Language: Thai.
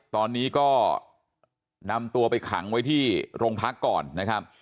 ตอนนี้ก็นำตัวไปขังไว้ที่โรงพักก่อนนะครับ